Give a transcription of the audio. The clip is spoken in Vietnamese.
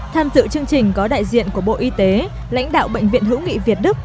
tham dự chương trình có đại diện của bộ y tế lãnh đạo bệnh viện hữu nghị việt đức